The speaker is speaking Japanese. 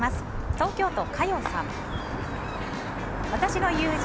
東京都の方。